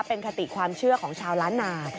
เป็นคติความเชื่อของชาวล้านนา